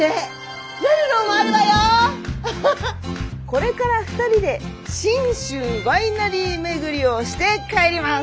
これから２人で信州ワイナリー巡りをして帰ります！